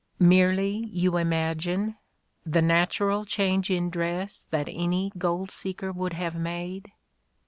Merely, you imagine, the natural change in dress that any gold seeker would have made?